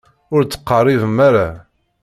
Ur d-ttqerribem ara.